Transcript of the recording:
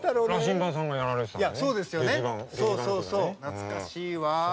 懐かしいわ。